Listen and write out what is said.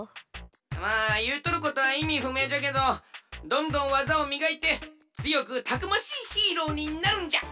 まあいうとることはいみふめいじゃけどどんどんわざをみがいてつよくたくましいヒーローになるんじゃ！